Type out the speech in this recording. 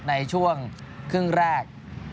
ในช่วงครึ่งแรก